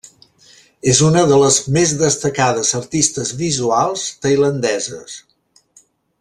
És una de les més destacades artistes visuals tailandeses.